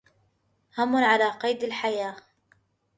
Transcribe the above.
هم على قيد الحياة.